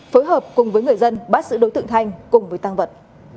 phối hợp cùng với người dân bắt giữ đối tượng thanh cùng với tăng vật